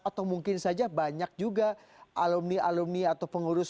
atau mungkin saja banyak juga alumni alumni atau pengurus dua ratus dua belas